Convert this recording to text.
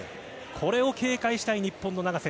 これを警戒したい、日本の永瀬。